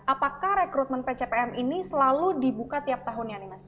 apakah rekrutmen pcpm ini selalu dibuka tiap tahunnya nih mas